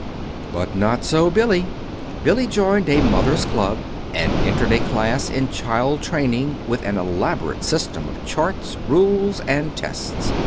But not so Billy. Billy joined a Mothers' Club and entered a class in Child Training with an elaborate system of Charts, Rules, and Tests.